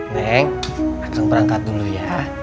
neng aku perangkat dulu ya